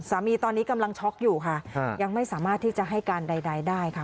สามีตอนนี้กำลังช็อกอยู่ค่ะยังไม่สามารถที่จะให้การใดได้ค่ะ